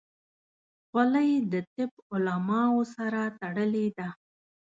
خولۍ د طب علماو سره تړلې ده.